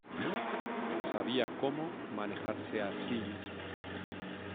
Sabía cómo manejarse a sí misma.